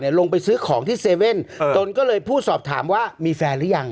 เนี่ยลงไปซื้อของที่เซเว้นตนก็เลยผู้สอบถามว่ามีแฟนรึยัง